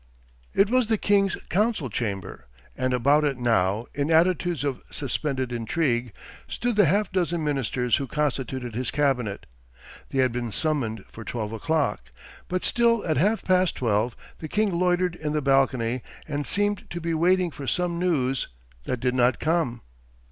It was the king's council chamber and about it now, in attitudes of suspended intrigue, stood the half dozen ministers who constituted his cabinet. They had been summoned for twelve o'clock, but still at half past twelve the king loitered in the balcony and seemed to be waiting for some news that did not come.